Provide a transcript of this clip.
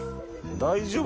大丈夫？